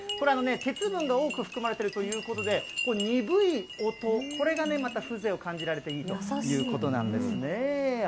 鉄分が多く含まれているということで、鈍い音、これがね、また風情を感じられていいということなんですね。